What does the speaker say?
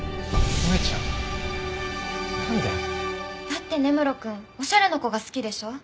だって根室くんおしゃれな子が好きでしょ。